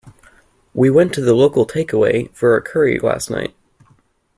We went to the local takeaway for a curry last night